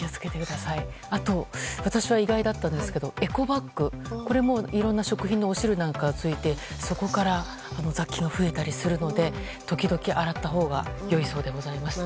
あと私は意外だったんですけどエコバッグはいろんな食品の汁などがついてそこから雑菌が増えたりするので時々、洗ったほうが良いそうでございます。